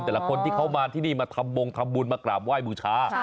แต่ละคนที่เขามาที่นี่มาทำบงทำบุญมากราบไหว้บูชา